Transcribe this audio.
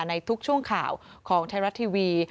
ในทุกช่วงข่าวของไทยรัฐทีวี